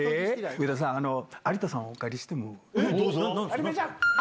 上田さん、有田さんをお借りどうぞ。